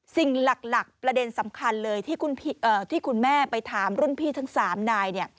สิ่งหลักประเด็นสำคัญเลยที่คุณแม่ไปถามรุ่นพี่ทั้ง๓นาย